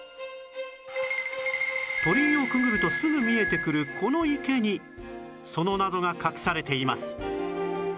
鳥居をくぐるとすぐ見えてくるこの池にその謎が隠されています